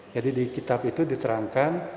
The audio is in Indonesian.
jadi di kitab itu diterangkan